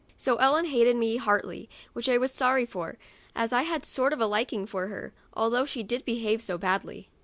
So Ellen hated me heartily, w 7 hich I was very sorry for, as I had a sort of liking for her, although she did behave so badly.